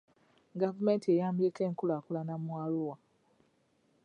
Gavumenti eyambyeko enkulaakulana mu Arua.